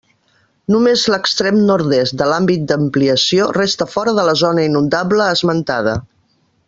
Només l'extrem nord-est de l'àmbit d'ampliació resta fora de la zona inundable esmentada.